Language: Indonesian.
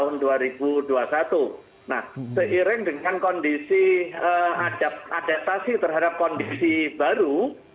nah seiring dengan kondisi adaptasi terhadap kondisi baru